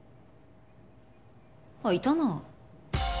あっいたな。